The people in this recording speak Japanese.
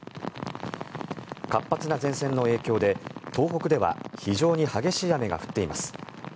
活発な前線の影響で東北では非常に激しい雨が降っています。